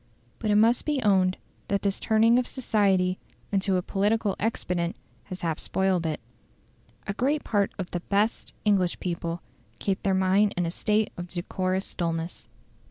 But it must be owned that this turning of society into a political expedient has half spoiled it. A great part of the "best" English people keep their mind in a state of decorous dulness.